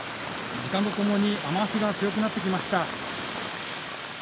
時間とともに雨足が強くなってきました。